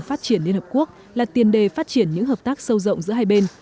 phát triển liên hợp quốc là tiền đề phát triển những hợp tác sâu rộng giữa hai bên